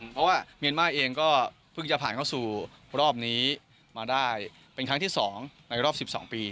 เพราะว่าเมียนมาร์เองก็เพิ่งจะผ่านเข้าสู่รอบนี้มาได้เป็นครั้งที่๒ในรอบ๑๒ปี